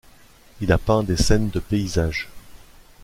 Il a peint des scènes de paysages.